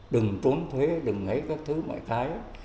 đừng trốn thuế đừng ngấy các thứ mọi cái